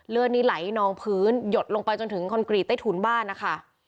เลือดนี้ไหลนองพื้นหยดลงไปจนถึงคอนกรีตใต้ถุนบ้านนะคะ